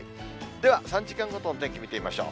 では３時間ごとの天気、見てみましょう。